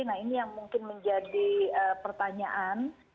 nah ini yang mungkin menjadi pertanyaan